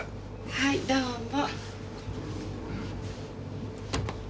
はいどうも。